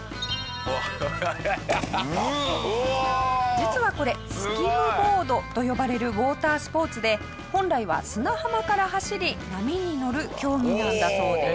実はこれスキムボードと呼ばれるウォータースポーツで本来は砂浜から走り波に乗る競技なんだそうです。